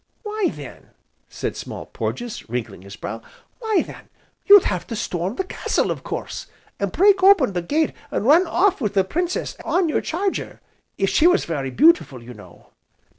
"Why then," said Small Porges, wrinkling his brow, "why then you'd have to storm the castle, of course, an' break open the gate an' run off with the Princess on your charger, if she was very beautiful, you know."